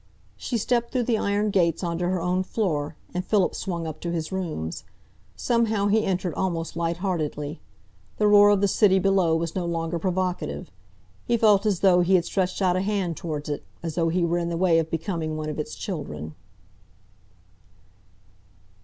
She stepped through the iron gates on to her own floor, and Philip swung up to his rooms. Somehow, he entered almost light heartedly. The roar of the city below was no longer provocative. He felt as though he had stretched out a hand towards it, as though he were in the way of becoming one of its children.